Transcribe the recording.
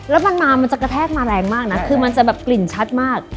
แล้วมันมามันจะกระแทกมาแรงมากนะคือมันจะแบบกลิ่นชัดมาก